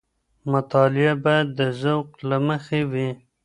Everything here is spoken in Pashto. مطالعه باید د ذوق له مخې وي.